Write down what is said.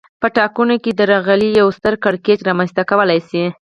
په ټاکنو کې درغلي یو ستر کړکېچ رامنځته کولای شي